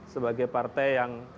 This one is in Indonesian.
sebagai partai yang